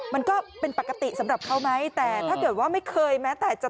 มันก็เป็นปกติสำหรับเขาไหมแต่ถ้าเกิดว่าไม่เคยแม้แต่จะ